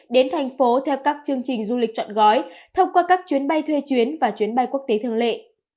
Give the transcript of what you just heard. đến thành phố theo các chương trình du lịch chọn gói thông qua các chuyến bay thuê chuyến và chuyến bay quốc tế thường lệ